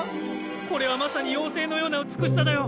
これはまさに妖精のような美しさだよ！